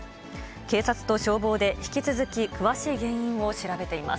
警察と消防で引き続き詳しい原因を調べています。